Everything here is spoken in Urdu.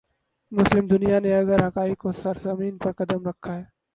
مسلم دنیا نے اگر حقائق کی سرزمین پر قدم رکھا ہے۔